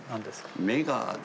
目が。